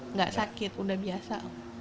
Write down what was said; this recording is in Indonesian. enggak sakit udah biasa